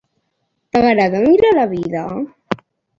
T'agrada mirar la vida?